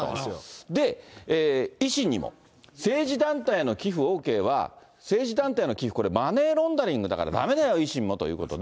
で、維新にも、政治団体への寄付ＯＫは、政府の寄付、これ、マネーロンダリングだからだめだよ、維新もということで。